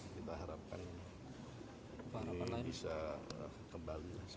kita harapkan ini bisa kembali seperti sebelumnya